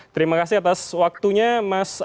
terima kasih atas waktunya mas anies baswedan